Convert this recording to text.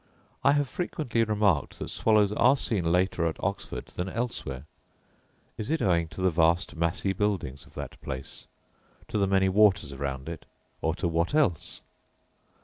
I have frequently remarked that swallows are seen later at Oxford than elsewhere: is it owing to the vast massy buildings of that place, to the many waters round it, or to what else?